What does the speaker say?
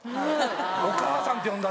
「お母さん」って呼んだ。